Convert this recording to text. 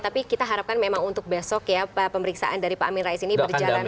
tapi kita harapkan memang untuk besok ya pemeriksaan dari pak amin rais ini berjalan